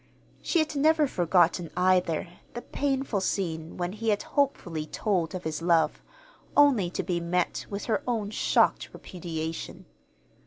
She had never forgotten, either, the painful scene when he had hopefully told of his love, only to be met with her own shocked repudiation.